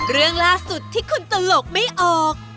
เรื่องล่าสุดที่คุณตลกไม่ออก